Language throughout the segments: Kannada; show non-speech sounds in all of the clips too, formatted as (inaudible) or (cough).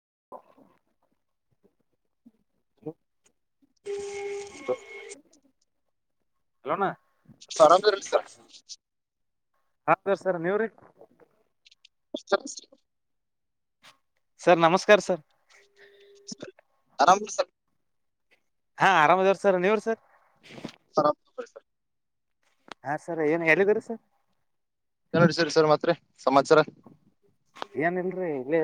(unintelligible) (unintelligible) ಹಲೋಣ್ಣ ಸಡನ್ ಲಿರಿಕ್ಸ್ ಹ ಸರ್ ನೀವ್ ರೀ (unintelligible) ಸರ್ ನಮಸ್ಕಾರ ಸರ್ ಆರಾಮ ಹಾ ಆರಾಮ್ ಇದಿವ್ ಸರ್ ನೀವ್ರ್ ಸರ್ ಸರ್ (unintelligible) ಹಾ ಸರ್ ಏನ್ ಎಲ್ಲಿದ್ರಿ ಸರ್ (unintelligible) ಸರಿ ಸರ್ ಮಾತ್ರ ಸಮಾಚಾರ ಏನ್ ಇಲ್ ರೀ ಇಲ್ಲೆ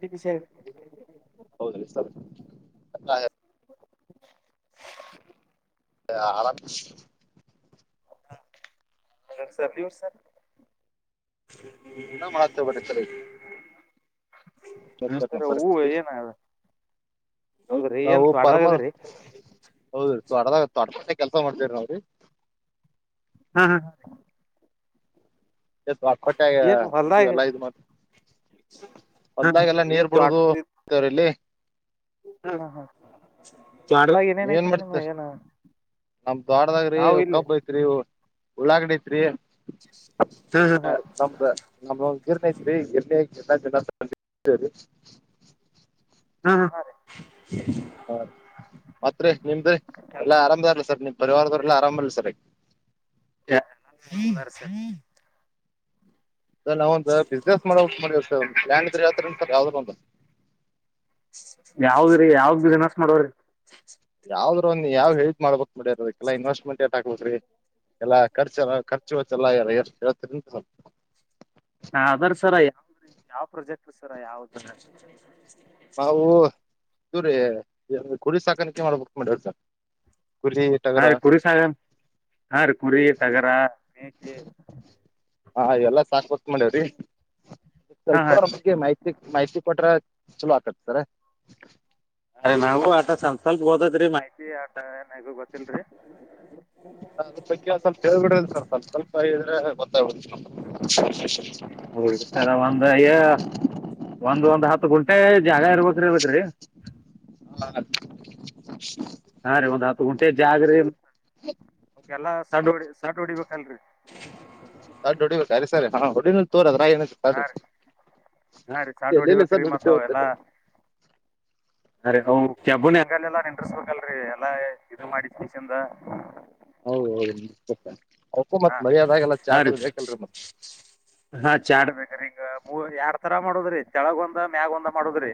(unintelligible) ಹೌದ್ರಿ ಸರ್ (unintelligible) ಯಾರ ಖುಷಿ ಸರ್ ನೀವು ಸರ್ ನಾ ಮಾಡತ್ತಬ್ರೆ ಸಲ ಕೆ ನೀವ್ ಸರ್ ಹೂ ಪರಿಸ್ಥಿತಿ ಏನ್ ಹೌದ್ರಿ ಏನ್ ನಾವು ಪರಮ ತ್ವಾಟದಾಗದ್ರಿ ಹೌದುದಾಗ ಕೆಲ್ಸ ಮಾಡ್ತೇವ್ರ ನಾವ್ರಿ ಹಾ ಹಾ ಏನ್ (unintelligible) ಹೊಲ್ದಾಗ ಎಲ್ಲಾ ಇದು ಮತ್ರ ಮೊದ್ಲಾಗೆಲ್ಲ ನೀರ್ ಕೊಡೋದು ತರು ಇಲ್ಲಿ ಹಾ ಹಾ ಏನ್ ಮಾಡ್ತರೀ ನಮ್ ತೋಡದಾಗ್ರಿ ನಾವ್ ರೊಕ್ಕ ಇಲ್ಲಿ ಬೆಕರ್ರೀ ಉಳಾಗಡಿ ಐತ್ರಿ ಹಾ ನಮಗ ನಮಗೊಂದುಜೀರ್ನ ಅಯ್ತೆರಿ ಎಲ್ಲಿ ಎಲ್ಲಾ ಕೆಲ್ಸ (unintelligible) ಹಾ ಹಾ ಹಾ ರೀ ಹ ಮತ್ರಿ ನಿಮ್ದ ಎಲ್ಲಾ ಆರಾಮದಾರಲ ಸರ್ ನಿಮ್ ಪರಿವಾರದವ್ರಲ್ಲಾ ಆರಾಮ್ ಇಲ ಸರ್ (unintelligible) (inaudible) ಸ ನಾವ ಒಂದ ಬಿಸ್ನೆಸ್ ಮಾಡ ಲ್ಯಾ ಇದ್ರ ಯಾವ ಸರ್ ಯಾವ್ದ್ರ ಒಂದು ಯಾವುದ್ರೀ ಯಾವ್ ಬಿಸನಸ್ ಮಾಡವ್ರೀ ಯಾವ್ದ್ ಯಾವ ಹ ಹೇಳದ ಮಾಡ್ಬೇಕಕ್ ಮಾಡಿರದಕ್ಕೆಲ್ಲ ಇನ್ವೆಸ್ಟ್ ಎಲ್ಲಾ ಖರ್ಚ ಎಲ್ಲ ಖರ್ಚು ಎಲ್ಲತ್ರಿಂತಲ್ ಹಾ ಅದ್ರ ಸರ ಯಾವ್ದ್ರೀ ಯಾವ್ ಪ್ರೊಜೆಕ್ಟ್ ರ ಸರ ಯಾವ್ ನಾವು ದೂರಿ ಕುರಿ ಸಾಕಾಣಿಕೆ ಮಾಡ್ಬೇಕ ಹಾ ರೀ ಕುರಿಸಾಗಣ್ ಹಾ ರೀ ಕುರಿ ಟಗರು ಮೇಕೆ ಹಾ ಇವೆಲ್ಲ ಸಾಕ್ ಕೊತ್ ಮಾಡ್ಯವ್ರಿ ಹಾ ಹಾ ಸ್ವಲ್ಪ್ರಮಗೆ ಮಾಹಿತಿ ಮಾಹಿತಿ ಕೊಟ್ರ (unintelligible) ಆಕತತಾರೆ ಅದೇ ನಾವು ಆಟ ಸ್ವಲ್ಪ ಸ್ವಲ್ಪ ಗೊತೆತ್ರಿ ಮಾಹಿತಿ. (unintelligible) ನಂಗು ಗೊತ್ತಲ್ರಿ. ಅದ್ರ ಬಗ್ಗೆ ಒಂದ್ ಸ್ವಲ್ಪ ಹೇಳ್ಬಿಡ್ರಿ ಸರ್ ಸ್ವಲ್ಪ (unintelligible) ಹೊ ಒಂದ ಹೇ ಒಂದ್ ಒಂದ್ ಹತ್ತು ಗುಂಟೆ. ಜಾಗ ಇರ್ಬೇಕ್ರಿ (unintelligible) ರೀ. ಹ. ಹಾ ರೀ ಒಂದ್ ಹಾತ್. ಹಾತ್ ಕುಂಟೆ ಜಾಗ್ರಿ ಎಲ್ಲಾ ಸಡ್ ಹೊಡಿ ಸಡ್ ಹೊಡೀಬಕಲ್ರಿ. ಸಡ್ ಹೊಡೀಬಾಕ್ ಸರಿ ಹೊಡಿಬೇಕ್ ಹಾ ತಗೋರಿ. ರೀ (unintelligible) ಹಾ ರೀ ಸಡ್ ಎಲ್ಲಲ್ಲ ಸರ್ ಹೊಡಿಬೇಕ್ರಿ ನುಡಚ ಮತ್ತ್ ಹೋಗತ ಅ ಕೆಯಾಬನ್ ಹಗ ಎಲ್ಲ ಇಂಟ್ರೆಸ್ಟ್ ಬೋಗಲ್ರಿ ಎಲ್ಲಾ ಇದು ಮಾಡಿದ್ಷನ್ದ ಹೌದೌದು ಅಪ್ಪು ಹಾ ಮತ್ ಮರಿದಾಗಲ್ಲ ಹಾ ಚಾಟ್ದು ಬೇಕಲ್ರಿ ಮತ್ತ ಚಾಟ್ ಬೇಕ್ರ ಈಗ ಮೂ ಯಾರ್ ತರ ಮಾಡದ್ರಿ ತೆಳಗ ಒಂದ ಮ್ಯಾಗ ಒಂದ ಮಾಡದ್ರಿ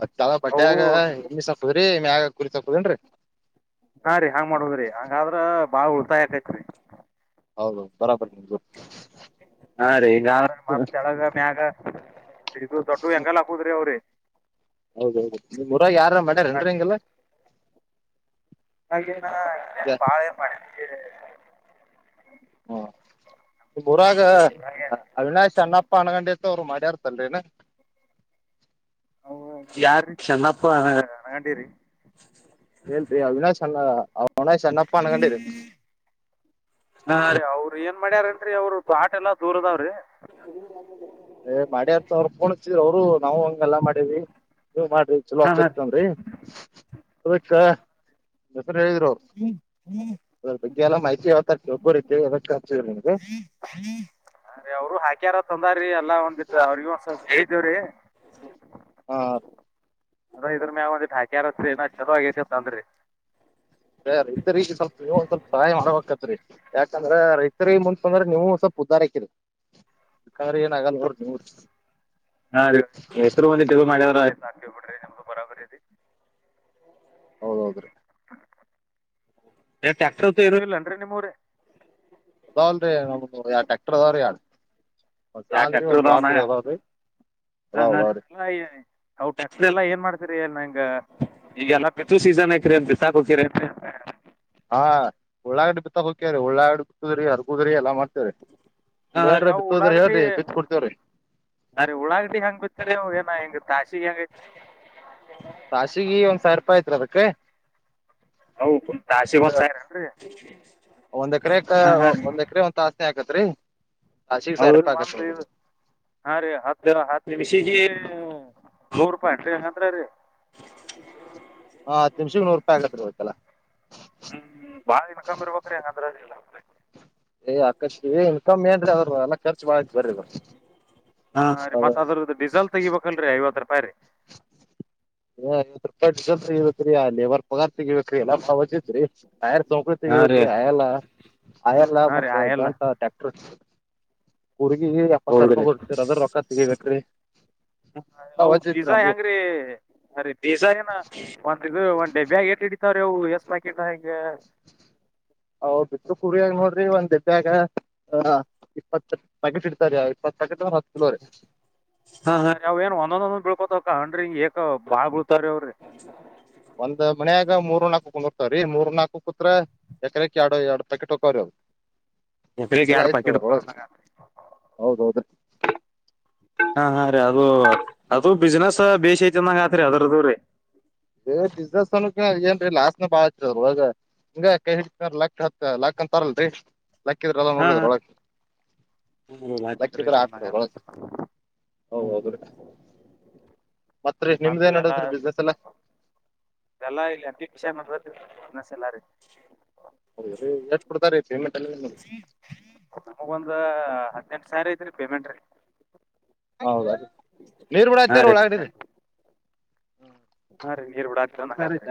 ಅ ಚಲ ಬಡ್ಡ್ಯಾಗ ಎಣ್ಣಿ ಸಪ್ಪದ್ರೀ ಮ್ಯಾಗ ಕುರಿ ಸಪ್ಪಪದೇನ್ರರಿ ಹಾ ರೀ ಹಾಂಗ ಮಾಡದ್ರಿ ಹಂಗಾದ್ರ ಬಾಳ ಉಳ್ತಾಯಿ ಆಕೈತ್ರಿ ಹೌದೌದು ಬರಾಬರಿ ನಿಮ ಹಾ ರೀ ಈಗ ಮತ್ತ ಕೆಳಗ ಮ್ಯಾಗ ಇದು ದೊಡ್ಡ ಹೆಂಗಾಲ ಹಾಕುದ್ರಿ ಅವ್ರರಿ ಹೌದೌದು ನಿಮ್ ಊರಾಗ ಯಾರ ಮಾಡ್ಯಾರ ಏನ್ರಿ ಹಂಗಲ್ಲ ಹಾಗೆ ಬಾಳೆ ಮಾಡ (inaudible) ಮುರಾಗ ಹಾಗೆ ಅವಿನಾಶ್ ಅಣ್ಣಪ್ಪ ಅಣಗೊಂಡೆತ ಅವ್ರು ಮ ಎರ್ತಲ್ರರಿ ಏನ ಹ ಯಾರೀ ಚನ್ನಪ್ಪ ಅರಾಗೊಂಡಿರಿ ಹೇಳ್ತ್ರಿ ಅವಿನಾಶ್ ಚಣ್ಣ ಅವ ಅವಿನಾಯಶ್ ಚನ್ನಪ್ಪಾ ಅನ್ಕೊಂಡಿರರಿ ಹಾ ರೀ ಅವ್ರ ಏನ್ ಮಾಡ್ಯಾರೇನ್ರಿ ಅವರು ತೊಟ್ ಎಲ್ಲಾ ದೂರದಾವ್ರಿ ಏ ಮಾಡ್ಯರ್ತ ಅವ್ರ ಪೋಣಿದ ಅವರು ನಾವವು ಹಂಗ ಎಲ್ಲಾ ಮಾಡಿದ್ವಿ ನೀ ಮಾಡ್ರಿ ಚಲೋ ಹಾ ಹಾ ಅಕತ್ತ ಕಂಡ್ರಿ ಚಲ ಹೇಳಿದರು ಅವ್ರು ಅದ್ರ ಬಗ್ಗೆ ಎಲ್ಲ ಮಾಹಿತಿ ಯಾವತಾರ ಒಬ್ಬರು ಅ ಅವರು ಹಾಕ್ಯಾರ ತಂದಾರೀ ಎಲ್ಲ ಒಂದಿ ಅವ್ರಿಗೂಸ ಹೇತೇವ್ರೀ ಹಾ ಅದ ಇದ್ರ ಮ್ಯಾವಂದ ಹಾಕ್ಯಾರತ್ರಿ ನ ಚೆದಾಗ ಅದ್ ರಿ ಯಾಕಂದ್ರೆ ರೈತರಿ ಮುಂತ್ಪಂದ್ರ ನೀವು ಸ್ವಲ್ಪ ಉದ್ದಾರಕಿರರಿ ಕ್ರ ಏನ ಆಗಲ್ಲ ಹೊಡ್ ಡ್ ಹಾ ರೀ ಎತ್ರು ಮಂದಿ ಟಗ ಮಾಡ್ಯವ್ರ ಆಯ್ ಬಿಡ್ರಿ ನಮ್ದು ಬರಾಬರಿ ಹೌದೌದ್ರೀ ಟ್ಯಾಕ್ಟರ್ ಇರ ಇಲ್ಲನ್ರರಿ ನಿಮ್ಮೂರ ಅದಾವಲ್ ರೀ ನಮ್ದ ಯಾವ ಟ್ರ್ಯಾಕ್ಟರ್ ಅದಾವ್ರೀ ಯಾಳ ಯಾರ್ಡ್ ಅದಾವ್ರಿ ಅದಾವ್ ಅದಾವ್ರಿ ಟೇಕಟ್ರು ಎಲ್ಲ ಏನ್ ಮಾಡ್ ಹರಿ ನಂಗ ಈಗ ಎಲ್ಲ ಬಿತು ಸೀಸನ್ ಆಕ್ರರಿ ಅ ಬಿಸಾಕ್ ಹೋಗಕ್ಕಿರಿ ಹಾ ಒಳ್ಳಳಾಗಡ್ಡೆ ಬಿತ್ತಾಗ ಹೋಗಕ್ಯಾರಿ ಉಳ್ಳಾಾಗಡ್ ಬಿಟ್ಟುದ್ರಿ ಅರ್ಗುದ್ರಿ ಎಲ್ಲಾ ಮಾಡ ನೀ ಹಾ ನ್ಏನ್ರ ಬಿತ್ತೋದ್ರ ಹೇಳ್ರಿ ಬಿತ್ ಕೊಡ್ತೇವ್ರಿ ನ ರೀ ಉಳಾಗಡಿ ಹೆಂಗ್ ಬಿತ್ತರಿ ಏನ ಹೆಂಗ ತಾಸಿ ಹೆಂಗೈತ್ ತಸಿಗಿ ಒಂದ್ ಸಾವಿರ ರೂಪಾಯಿ ಐತ್ರಿ ಅದಕ್ಕೆ ಹೌ ತಸಿಗ್, ಒಂದ್ ಸಾವಿರ್ ಏನ್ರಿ ಒಂದ್ ಎಕರೆ ಹಾ ಹಾ ರೀ ಒಂದ್ ಎಕರೆ ಒಂತ ಆಸ್ನ ಆಕತ್ರಿ ತಾಸಿಗ್ ಸಾವಿರ ಹೌದು ರೂಪಾಯಿ ಆಕತ್ ಒಂದು ನೋಡ್ರಿ ಅದು. ಹಾ ರೀ ಹತ್ತು ಹತ್ತು ನಿಮಿಷ ನೂರೂಪಾಯ ನ್ರಿ ಹಂಗಂದ್ರೀ ಹಾ ಹತ್ ನಿಮಿಷಕ್ ನೂರ್ ರೂಪಾಯಿ ಆಗತ್ರಿ ಇವಕ್ಕೆಲ್ಲ ಹ್ಮ್ ಬಾಳ ದಿನ ಕಮ್ಮಿ ಇರ್ಬೇಕ್ರಿ ಹೆಂಗದ್ರ ಏ ಅಕಷ್ಟ ಏ ಇನ್ಕಮ್ ಏನ್ ರೀ ಅವ್ರ ಎಲ್ಲ ರ್ಚು ಮಾಡಳ ಬರ್ರಿವ್ರ ಹಾ ರೀ ಮತ್ ಅದ್ದ ಡಿಸೆಲ್ ತೆಿಬೇಕಲ್ರಿ ಐವತ್ತ ರರಪಾಯ ರೀ ಪ ಜರಿ ಅಲ್ಲಿ ಬರ್ ಪಗಾರ್ತಿಗಬೇಕ್ರಿ ಎಲ್ಲ ಹೊಜ್ರಿ ದತ್ರಿ ಯರ್ ಸೋಂಕೃ ಹಾ ರೀ ತೆಗಬೇಕ್ರೀ ಅಯಲ್ಲ ಅಯಲ್ಲ ಹಾ ರೀ ಮತ್ತ ಆಯಲ್ಲ ಗಂಟ ಟ್ಯಾಕ್ಟರ್ ಹುರ್ಗಿ ಎಪ್ಪತ್ ಸಾವರ ಹೌದ್ರಿ ರೂಪಾಯಿ ಕೊಟ್ಟತಿರ್ ಅದ್ರ ರೊಕ್ಕ ತಗಬೇಕ್ರಿ ಹ ಅವು ಬೀಜಾ ಹೆಂಗ್ರೀ ಅೀ ಬೀಜ ಏನ ಒಂದ್ ಒಂದ ಡಬ್ಬೆಿಟ್ಟ ಹಿಡಿತಾವ್ರೀ ಅವು ಎಸ್ ಬ್ಯಾಕ ಹಾಗಿ ಹ ಪತ್ರೂ ನೋಡ್ರಿ ಒಂದ್ರಾ ಗ ಇಪ್ಪತ್ತು ಬಕಟ್ ಇಡ್ತಾರ ಇಪ್ಪತ್ತು ಹಾ ಹಾ ಯಾವ ಏನ್ ಒಂದೊಂದೊಂದ ಬೀಳ್ಕೊತಕ್ಕ ಹ್ರಿ ಅ ಬಾ ಬಿಳ್ತಾರೀ ಅವ್ರಿ ಒಂದ್ ಮನ್ಯಾಗ ಮೂರ್ಕ ಕುಕೊಂಡು ರಿ ಮೂರ್ ನಾಲ್ಕು ಕುತ್ ಎಕರೆಕ್ ಎರಡು ಎರಡ್ ಪ್ಯಾಕೆಟ್ ಹಕವ್ರಿ ಅವು ಎಕರೆಕ್ ಹಗೆಲ್ಲ ಎರಡ್ ಪಾಕೆಟ್ ಆಯ್ತುರು ಹೌದೌದ್ರೀ ಹಾ ಹಾ ರೀ ಅದು ಅದು ಬಿಸ್ನೆಸ್ ಬೇೇಶಐ ಚಂದಂಗ ಆತ್ರಿ ಅದ್ರ್ದೂ್ರೀ ಬೇ ಬಿಸ್ನೆಸ್ ಅ ಏನ್ರಿ ಲಾಸ್ನ ಬಾಳ ಹಚ್ಚ ಇವಾಗ ಹಿಂಗ ಕೈ ಹಿಡ ಲಾಕ್ ಹತ್ ಲಾಕ್ ಅಂತ ತರಲ್ರಿ ಲಕ್ಕಿದ್ರ ಎಲ್ಲ ನೋಡಿದ್ರ ಒಳ ಹತಿ ರತ ಮತ್ತ ನಿಮ್ದ ಏನ್ಡದ್ರೀ ಬಿಸ್ನೆಸ್ ಎಲ್ಲಾ ಅದೆಲ್ಲ ಇಲ್ಲಿಷ ಮಸಲ್ಲ ರೀ ಹೌೀ ಹೇ ಕೊಡ್ತಾರೆ ಐ ನಮಗೊಂದ ಹದ್ನನೆಂಟ ಸಾವಿರ ಐತೆನ ಪೇಮೆಂಟ್ ರೀ ಹೌದ ನೀರ್ ಹಾ ಬಿೂಡಐತಾರ ರೀ ಒಳಡಿ ಹಾ ರೀ ನೀರ್ ಬಿಡಾತ್ರಿ ಅಂದಂಗ ಆಯ್ತ ಆತ್ರಿ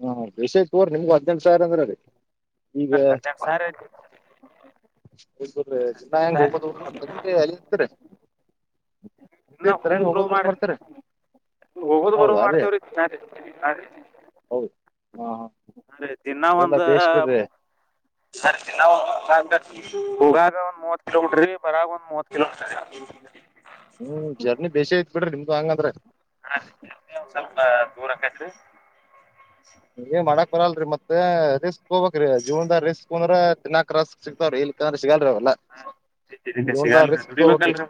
ಅ ಹ ಬೇಷ ಆಐತ ತೋ್ರಿ ನಿಮ್ಗೆ ಹದ್ಎಟು ಸಾವಿರ ಅಂದ್ರ ರೀ ಹದ್ಎಟು ಸಾವಿರ ಐತ್ ರೀ ಇ ನಾ ಹೆಂಗಗೆ ಹೋಗಬದು ಹೋಗ ಬರ್ತಾರೇನ್ರಿ ಅಲ್ಲಿ ಇರ್ತರಿ ಇ ಹ ಬ ಮಾಡ ಹೋಗದು್ ಬರೋ ಹೌದಾ ರೀ ಮಾಡ್ತೇವ್ರೀ ಅ ರ ಅೇ ಹೌದ್ ಹಾ ಅ ತಿನ್ನ ಇದೆಲ್ಲ ಒಂದ ಬೇಷ್ ಬಿಡ್ರಿ ತಿನ್ನ ಹಗಾಗ ಒಂದ್ ಮೂವತ್ ಕಿಲೋ ಬಿಟ್ರಿ ಬರಾಗ ಒಂದ್ ಮೂವತ್ ಕಿಲೋ ಹ್ಮ್ ಜರ್ನಿ ಬೇಿ ಐತ್ ಬಿಡ್ರಿ ನಿಮ್ದು ಹಂಗಂದ್ರೆ ಹಾ ಸ್ವಲ್ಪ ದೂರಕೈತ್ರಿ ನೀ ಮಾಡಕ್ ಬರಲ್ರರಿ ಮತ್ತೆ ರ ಸಿಗೋಬಬೇಕ್ರೀ ಜೀವದ ರಿಸ್ಕ್ ಅಂದ್ರ ತಿನ್ನಾಕ್ ರಸ್ಕ್ ಸಿಕ್ತಾವ್ರ ಇಲ್ಲಿ ಅಂದ್ರ ಸಿಗಲ್ರಿೀ ಅವಲ್ಲ ಸಿಗಲ್ವಲ್ರ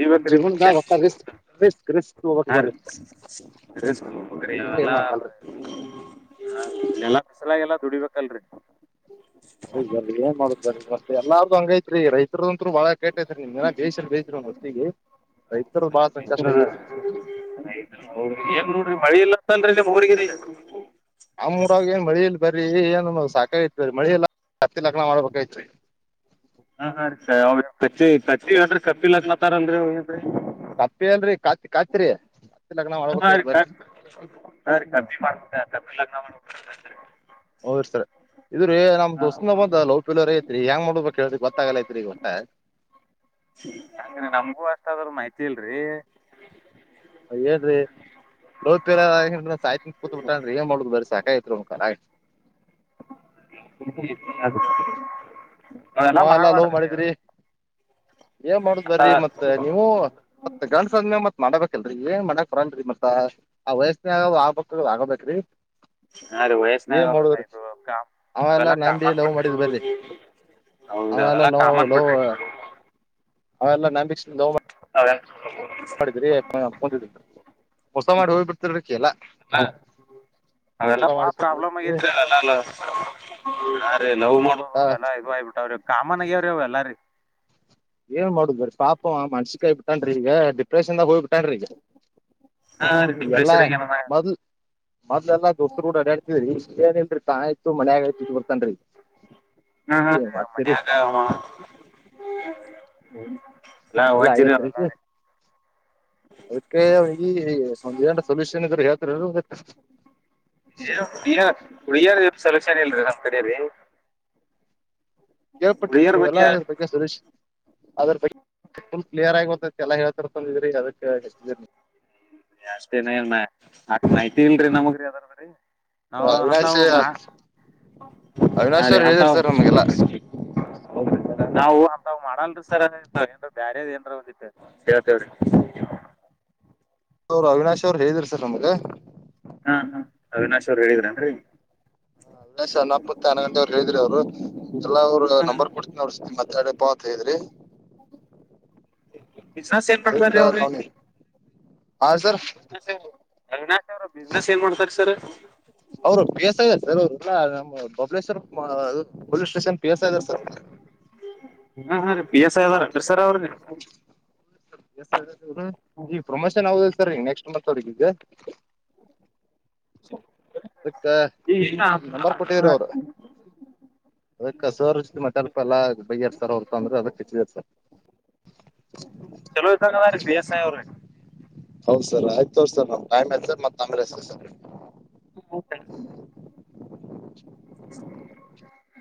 ಈ ವ ಜೀವನ್ದಾಗ ಹೊಸ ರಿಸ್ಕ್ ರಿಸ್ಕ್ ರಿಸ್ಕ್ ತಗೋಬೇಕ್ ಹಾ ಬರ್ರಿ ರೀ ಇಲ್ಲಾಂದ್ರ ಲ್ಲ ಏನು ಆಗಲ್ರಿ. ಇ ಎಲ್ಲಾ ಫಸಲಾಗ ಎಲ್ಲಾ ದುಡಿಬೇಕಲ್ರರಿ ಹ ಏನ್ ಮಾಡುದ ಮತ್ತೆ ಎಲ್ಲಾರ್ದು ಹಂಗೈತ್ರಿ ರೈತ ದಂತೂ ಬಾಳ ಕೇತಾಾರೆ ನಿಮ್ ಬೇಸ ಬೇಸ ಒ ಬಸ್ತ್ತಿಗೆ ರೈತರು ಬಾಳ ಸಂಕಷ್ಟ ರೈತ್ರಿ ನೋಡ್ರಿ ಮಳಿ ಇಲ್ಲತ್ತನ್ರಿ ನೀಮ್ ಹಗಿ ಅವರು ಮಳೆ ಇಲ್ಲರಿ ಬ್ರೀ ಏನು ಸಾಕೈತ್ ಬರಿ ಮಳಿ ಹತ್ತಿ ಲಗ್ನ ಮಾಡ್ಬೇಕೈತ್ರಿ ಹ ಕಿ ಕಿ್ರ ಕಪ್ಪಿಲಕ್ಲತಾರ ಅಂದ್ರಿೋಗರಿ ಕಪ್ಪಿ ಏನ್ರಿ ಕಾತ್ ಕಾತ್ರಿ ಸರಿ ಸರಿ ಕಬ್ ಮಾಡ್ ಲಗ್ನ ಮಾಡ ಅವರು ಸರ್ ಇದ್ರೀ ನಮ್ ಹಾ ದೋಸ್ಸನ ಬಂದ ಲೋಪಿಲೋರ ಐತ್ರಿ ಹೆಂಗ ಮಾಡ್ಬೇಕಕ್ ಹೇಳ್ರ ಗೊತ್ತಾಗಲ್ಲ ಐತ್ರಿ ಈ ಗೊತ್ತ ಹಾಗ ನಮಗೂ ಅಷ್ಟ ಆದ್ರರು ಮಾಹಿತಿ ಇಲ್ರಿ ಹೇಳಏ್ರಿ ಲೋಪಾಯ್ ಕೂತ್ ಬಿಿಟ್ಟ ಅ್ರ ಏನ್ ಮಾಡೋುದು ಬ್ರ ಸಾಕಾಯಐತ್ಕಕಾರ ತ ಹ ಅಲ್ಲ ನೋ ಮಾಡಿದಿಿ ಏನ್ ಮಾಡುದ್ ಬರ್ರಿ ಮತ್ತತ್ ನೀವು ಮತ್ ಗಂಡಸ ಆದ್ಮೇ ಮತ್ ಮಾಡಬೇಕ ಲ್ರರಿ ಏ ಮನ್ಯಕ್ ಕೊರಂಗ್ರರಿ ಮತಾ ಆ ವಯಸ್ನ ಆಗ್ಬಬೇಕಕ್ ಆಗಬೇಕ್ರಿ ಅೆ ಏನ್ ವಯಸ್ನಾಗಲ್ಲ ಮಾಡುದ್ರಿ ಇದು ಅವೆಲ್ಲಾ ಅಲ್ಲ ನಂಬಿ ಲವ್ ಮಾಡಿದ್ ಬರ್ರಿ ಹೌದು ಅವೆಲ್ಲಾ ಅದೆಲ್ಲ ಕಾಮನ್ ಬಿಟ್ರಿ ಅವೆಲ್ಲ ನಾ ಭಕ್ಷ. ಅವೆಲ್ಲ ಮಾಡಿದ್ರಿ (unintelligible) ಹೊಸ ಮಾಡಿ ಹೋಗ್ ಬಿಡ್ತರ್ ಅಕ್ಕಿ ಎಲ್ಲ ಅವೆಲ್ಲ ಪ್ರಾಬ್ಲಮ್ ಆಗತ್ ಯಾರೇ ನೋವು ಮಾಡೋದು ಆ ಎಲ್ಲ ಇ ಆಯ್ಬಿಟ್ಟಾವ್ರಿ ಕಾಮನ್ ಆಗ್ಯಾವ್ರಿ ಅವ್ ಎಲ್ಲ ರೀ ಏನ್ ಮಾಡುದುದುರೀ ಪಾಪ ಮನ್ಸಿಕ್ಯಬ ಬಿಟ್ಟನ ಈಗ ಡಿಪ್ರೆಷನ್ದಾಗ ಹೋಗ್ಬ ಬ್ಯಾಡ್ರಿ ಹಾ ರೀ ಈಗೆಲ್ಲಾ ಡಿಪ್ರೆಷನ್ ಆಗ್ಯಾನ ಮೊದ್ಲ್ ಮೊದ್ಲೂ ಎಲ್ಲಾ ದೋಸ್ತರು ಕೂಡ ಅಡಾಡ್ತಿದ್ರಿ (unintelligible) (unintelligible) ಹಾ ಹಾ ಏನ್ ರೀ ಮಾಡ್ತೀರಿ ಮನ್ಯಾಗ ಎಲ್ಲಾ ವಜ್ರಿ ಐತ್ರಿಕ ಅವೆಲ್ಲಾ ರೀ ಅದಕ್ಕೆ ಈ ಒಂದ್ ಎರಡು ಸೊಲ್ಯೂಷನ್ ಇದ್ರ ಹೇಳ್ತದ ಏ ಇಲ್ ಹುಡುಗಿರ್ ಸಲೂಷನ್ ಇಲ್ರೀ ನಮ್ಮ್ ಕಡೆ ರೀ ಕೇಳ್ಪಟ್ಟಿ ರೀ ನೀವು ಎಲ್ಲಾ ಅದ್ರ ಬಗ್ಗೆ ಸಲೂಶ್ ಅದ್ರ ಬಗ್ ಫುಲ್ ಕ್ಲಿಯರ್ ಆಗಿ ಚೆನ್ನಾಗಿ ಗತ್ತೈತಿ ಎಲ್ಲಾ ಹೇಳ್ತಾರಂದಿದ್ರಿ ಅದಕ್ಕೆ ಹೆನ ಅಷ್ಟೇನ ಆಕ್ ಮಾಹಿತಿ ಇಲ್ರಿ ನಮಗ್ರಿ ಯಾವ್ದಾರ್ರಿ ಓಹ್ ಅವಿನಾಶ್ ಹಾ ಅವಿನಾಶ್ ರೀ ಅವ್ರು ಹೇಳಿದರು ಅಂತಾವ್ ಸರ್ ನಮಗೆಲ್ಲ ನಾವು ಅಂತ್ ಮಾಡಲ್ತ ಏನ್ ಬ್ಯಾರ ಏನ್ರ ಬಂದಿ ಕೇಳ್ತೇವ್ರ (unintelligible) (inaudible) ಅವ್ ಅವಿನಾಶ್ ಅವರು ಹೇಳ್ರರಿ ಹಾ ಹಾ ಅವಿನಾಶ್ ಅವ್ರು ಹೇಳಿದ್ರ ಅಂದ್ರೆ ಹಲ್ಲ ಸ ನಪ್ಪತ್ ಆನ್ನ ಅವ್ರು ಹೇಳ್ರಿ ಅವರು ಎಲ್ಲ ಅವ್ರು ನಂಬರ್ ಕೊಡ್ತಿ ಅವರತ್ರ ಮಾತಾಡ್ರಪ್ಪ ಅಂತ ಹೇಳಿದ್ರಿ ಬಿಸ ಸಏರ್ಪ ರ ಅದಕ್ಕ ಅವ್ರೀ ನಾವ್ ಹಾ ಸರ್ ಅವಿನಾಶ್ ಅವರ ಅವಿನಾಶ್ ಬಿಸ್ನೆಸ್ ಏನ್ ಮಾಡ್ತಾರೆ ಸರ್ ಅವರು ಬಿ ಎಸ್ ಸರ ಅವರು ಎಲ್ಲ ನಮ್ಮ Babaleshwar police station P S sir ಹ್ಮ ರೀ ಪಿ ಎಸ್ ದ ಅೀರ್ ಸರ್ ಅವ್ರ (unintelligible) ಈಗ ಪ್ರೊಮೋಷನ್ ಯಾವದ ಸರ್ ಈಗ ನೆಕ್ಸ್ಟ್ ಮತ್ ಅವ್ರಗ (unintelligible) ಅದಕ್ಕೆ ಈಗ ನಿಮ ನಂಬರ್ ಕೊಟ್ಟ್ರ ಅವರು. ಅದ ಕಸವತಿ ಮಟಲ್ಪ ಎಲ್ಲ ಬೈ್ಯಡ್ ಸರ್ ಅವ್ರ ತ ಅಂದ್ರೆ ಅದ ಹಚ್ಚಿದರ್ ಸರ್. ಚಲೋ ಇದ ರ ಬ ಎಸ್ಾಯ ಅವ್ರ. ಹೌದ್ ಸರ್ ಆಯ್ತು ಅವ್ ಸರ್ ನ್ ಟೈಮ್ ಎಸ ಮತ್ತ ಅಮ್ಮ್ರೆ ಎಸ ಸರ್. ಹ್ಮ. (unintelligible) ಹ್ಮ.